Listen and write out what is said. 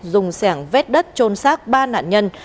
dùng sẻng vét đất trôn xác ba nạn nhân